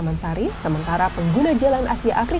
bagaimana perjalanan ini